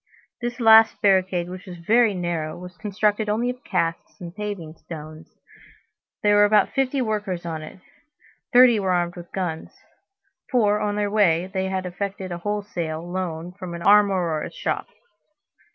This last barricade, which was very narrow, was constructed only of casks and paving stones. There were about fifty workers on it; thirty were armed with guns; for, on their way, they had effected a wholesale loan from an armorer's shop.